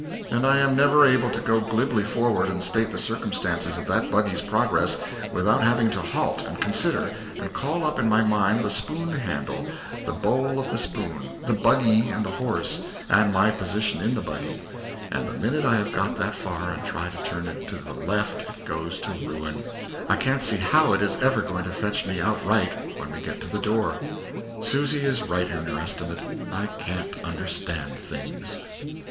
And I am never able to go glibly forward and state the circumstances of that buggy's progress without having to halt and consider, and call up in my mind the spoon handle, the bowl of the spoon, the buggy and the horse, and my position in the buggy: and the minute I have got that far and try to turn it to the left it goes to ruin; I can't see how it is ever going to fetch me out right when we get to the door. Susy is right in her estimate. I can't understand things.